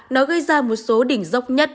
nó gây ra một số đỉnh dốc nhất